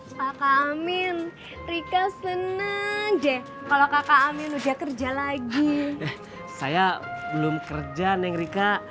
pak amin rika senang jeh kalau kakak amin udah kerja lagi saya belum kerja neng rika